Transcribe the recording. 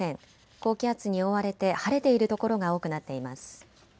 高気圧に覆われて晴れている所が多くなっています。